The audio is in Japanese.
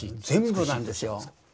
全部なんですよ。